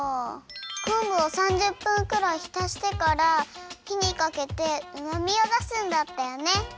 こんぶを３０分くらいひたしてからひにかけてうまみをだすんだったよね。